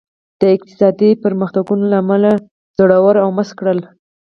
د اقتصادي پرمختګونو له امله زړور او مست کړل.